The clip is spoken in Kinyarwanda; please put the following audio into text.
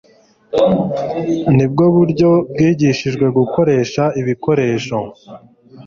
Nibwo buryo wigishijwe gukoresha ibikoresho